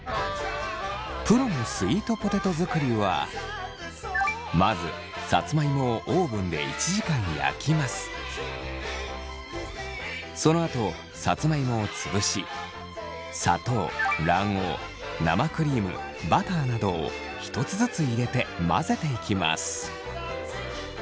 プロのスイートポテト作りはそのあとさつまいもを潰し砂糖卵黄生クリームバターなどを１つずつ入れて混ぜていきます。